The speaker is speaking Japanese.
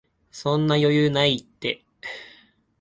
そんな余裕ないって